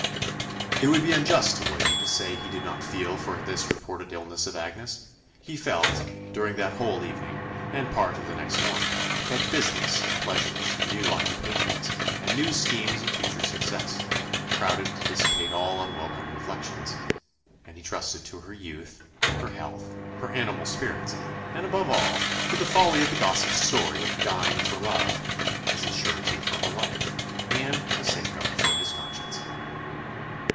It would be unjust to William to say he did not feel for this reported illness of Agnes he felt, during that whole evening, and part of the next morning but business, pleasures, new occupations, and new schemes of future success, crowded to dissipate all unwelcome reflections; and he trusted to her youth, her health, her animal spirits, and, above all, to the folly of the gossips' story of dying for love, as a surety for her life, and a safeguard for his conscience.